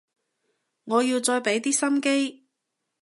我要再畀啲心機